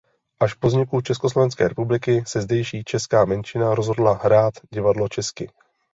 Až po vzniku Československé republiky se zdejší česká menšina rozhodla hrát divadlo česky.